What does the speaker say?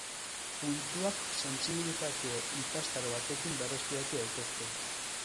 Puntuak sentsibilizazio ikastaro batekin berreskuratu daitezke.